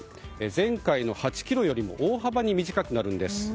前回の８ｋｍよりも大幅に短くなるんです。